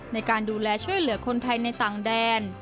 ในการดูแลช่วยเหลือคนไทยในต่างแดน